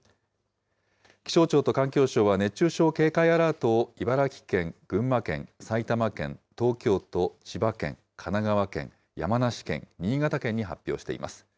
気象庁と環境省は、熱中症警戒アラートを茨城県、群馬県、埼玉県、東京都、千葉県、神奈川県、山梨県、新潟県に発表しています。